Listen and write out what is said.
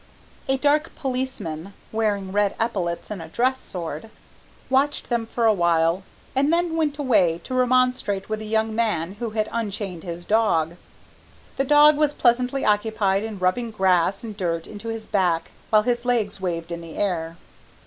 A dark policeman, wearing red epaulettes and a dress sword, watched them for a while and then went away to remonstrate with a young man who had unchained his dog. The dog was pleasantly occupied in rubbing grass and dirt into his back while his legs waved into the air.